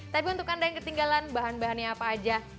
tapi untuk anda yang ketinggalan bahan bahannya apa aja